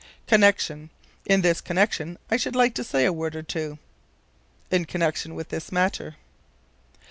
Connection. "In this connection I should like to say a word or two." In connection with this matter.